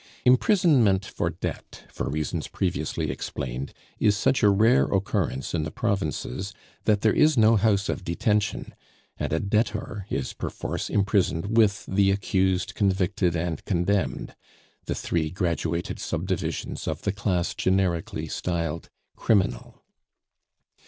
Imprisonment for debt, for reasons previously explained, is such a rare occurrence in the provinces, that there is no house of detention, and a debtor is perforce imprisoned with the accused, convicted, and condemned the three graduated subdivisions of the class generically styled criminal.